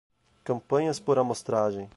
Campanhas por amostragem